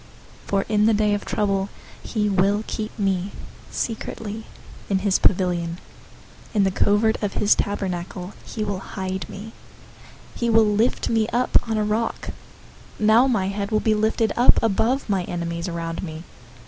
027:005 For in the day of trouble he will keep me secretly in his pavilion. In the covert of his tent he will hide me. He will lift me up on a rock. 027:006 Now my head will be lifted up above my enemies around me.